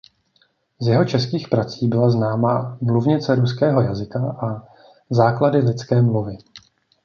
Z jeho českých prací byla známá "Mluvnice ruského jazyka" a "Základy lidské mluvy".